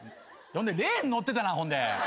レーン乗ってたなほんで。